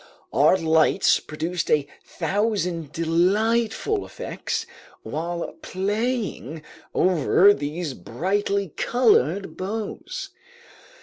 Our lights produced a thousand delightful effects while playing over these brightly colored boughs.